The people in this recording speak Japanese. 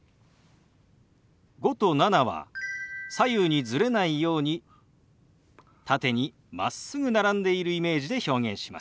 「５」と「７」は左右にズレないように縦にまっすぐ並んでいるイメージで表現します。